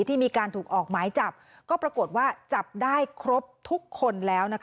ที่มีการถูกออกหมายจับก็ปรากฏว่าจับได้ครบทุกคนแล้ว